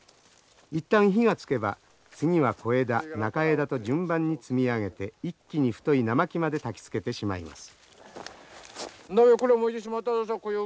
一旦火がつけば次は小枝中枝と順番に積み上げて一気に太い生木までたきつけてしまいます。